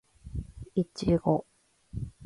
いちご